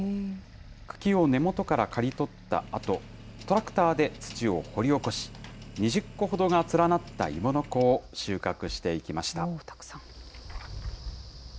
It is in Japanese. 茎を根元から刈り取ったあと、トラクターで土を掘り起こし、２０個ほどが連なったいものこを収穫していきました。